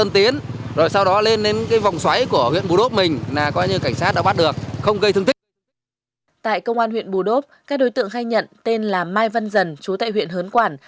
tại công an huyện bù đốp các đối tượng khai nhận tên là mai văn dần chú tại huyện hớn quản